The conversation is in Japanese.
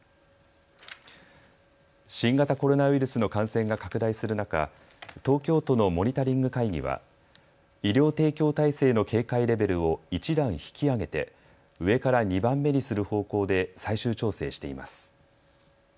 新型コロナウイルスの感染が拡大する中、東京都のモニタリング会議は医療提供体制の警戒レベルを１段引き上げて上から２番目にする方向で最終調整しています。